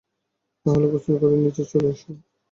তাহলে গোসল করে নিচে চলে এসো।